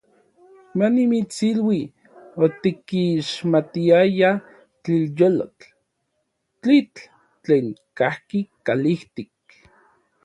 Manimitsilui, otikixmatiayaj tlilyolotl, tlitl tlen kajki tlalijtik.